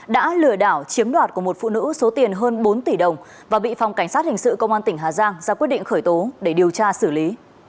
đã lừa đảo chiếm đoạt của một phụ nữ số tiền hơn bốn tỷ đồng và bị phòng cảnh sát hình sự công an tỉnh hà giang ra quyết định khởi tố để điều tra xử lý